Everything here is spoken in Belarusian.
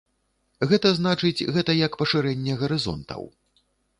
Гэта значыць, гэта як пашырэнне гарызонтаў.